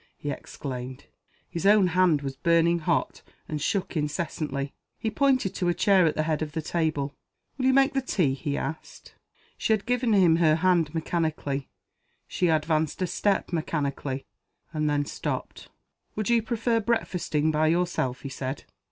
he exclaimed. His own hand was burning hot, and shook incessantly. He pointed to a chair at the head of the table. "Will you make the tea?" he asked. She had given him her hand mechanically; she advanced a step mechanically and then stopped. "Would you prefer breakfasting by yourself?" he said.